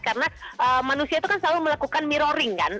karena manusia itu kan selalu melakukan mirroring kan